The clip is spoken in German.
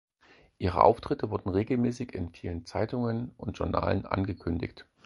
Ihre Auftritte wurden regelmäßig in vielen Zeitungen und Journalen angekündigt.